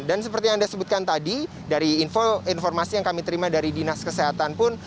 dan seperti yang anda sebutkan tadi dari informasi yang kami terima dari dinas kesehatan pun